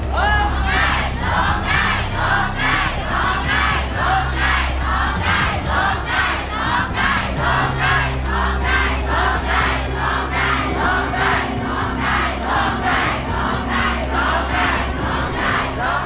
รองได้รองได้รองได้รองได้